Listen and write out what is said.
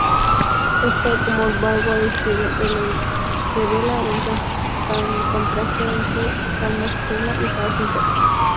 Esto, como Barlow escribe, "revela un contraste entre calma externa y caos interno".